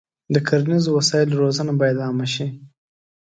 د کرنیزو وسایلو روزنه باید عامه شي.